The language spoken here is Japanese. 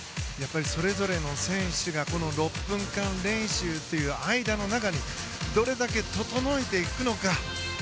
それぞれの選手が６分間練習という間の中でどれだけ整えていくのか。